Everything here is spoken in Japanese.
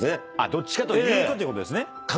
どっちかというとってことですね。